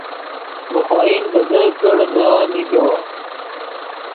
ڤے خوئن بزرگ کڑ ڤرو نیگو